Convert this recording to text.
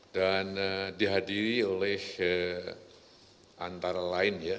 dan dihadiri oleh antara lain ya